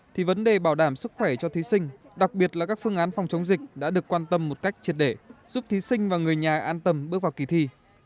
thì vấn đề bảo đảm sức khỏe cho thí sinh đặc biệt là các phương án phòng chống dịch đã được quan tâm một cách triệt để giúp thí sinh và người nhà an tâm bước vào kỳ thi